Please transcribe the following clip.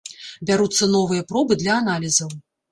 Бяруцца новыя пробы для аналізаў.